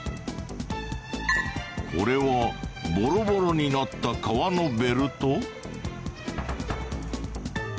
これはボロボロになった革のベルト？